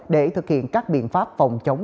để thực hiện các biện pháp phòng chống